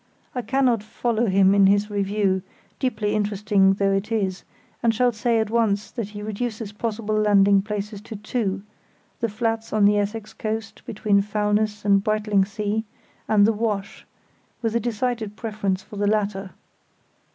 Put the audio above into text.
I cannot follow him in his review, deeply interesting though it is, and shall say at once that he reduces possible landing places to two, the flats on the Essex coast between Foulness and Brightlingsea, and the Wash—with a decided preference for the latter.